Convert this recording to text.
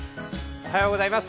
おはようございます。